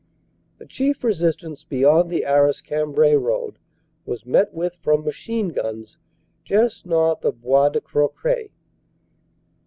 The chief resistance beyond the Arras Cam brai road was met with from machine guns just north of Bois de Crocret.